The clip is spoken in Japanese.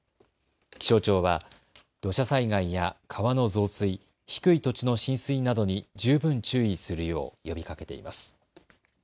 気象庁は土砂災害や川の増水、低い土地の浸水などに十分注意するよう呼びかけています。